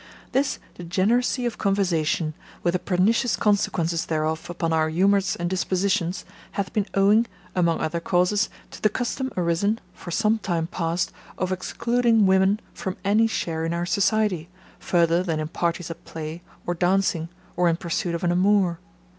This degeneracy of conversation, with the pernicious consequences thereof upon our humours and dispositions, hath been owing, among other causes, to the custom arisen, for sometime past, of excluding women from any share in our society, further than in parties at play, or dancing, or in the pursuit of an amour.